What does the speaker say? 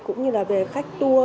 cũng như là về khách hàng của hà nội